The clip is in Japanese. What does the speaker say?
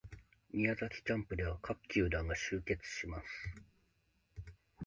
宮崎キャンプでは各球団が集結します